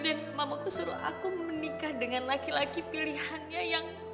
dan mamaku suruh aku menikah dengan laki laki pilihannya yang